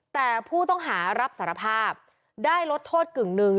แต่ผู้ต้องหารับสารภาพได้ลดโทษกึ่งหนึ่ง